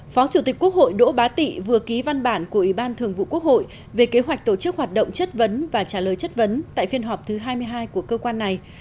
phó chủ tịch quốc hội đỗ bá tị vừa ký văn bản của ủy ban thường vụ quốc hội về kế hoạch tổ chức hoạt động chất vấn và trả lời chất vấn tại phiên họp thứ hai mươi hai của cơ quan này